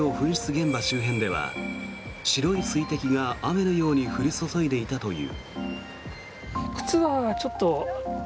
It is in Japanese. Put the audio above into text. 現場周辺では白い水滴が雨のように降り注いでいたという。